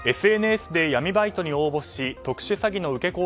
ＳＮＳで闇バイトに応募し特殊詐欺の受け